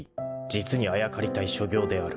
［実にあやかりたい所業である］